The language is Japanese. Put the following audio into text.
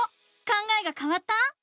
考えがかわった？